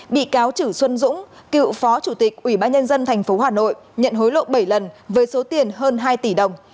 bị cáo chử xuân dũng cựu phó chủ tịch ủy ban nhân dân tp hà nội nhận hối lộ bảy lần với số tiền hơn hai tỷ đồng